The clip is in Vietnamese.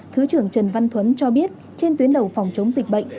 thứ trưởng trần văn thuấn cho biết trên tuyến đầu phòng chống dịch bệnh